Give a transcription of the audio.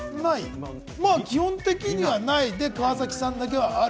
基本的には、ないで、川崎さんだけは、ある。